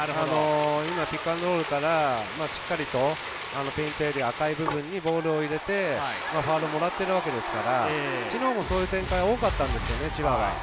ピックアンドロールからしっかりとペイントエリア、赤い部分にボールを入れて、ファウルをもらってるわけですから、昨日もそういう展開多かったんです。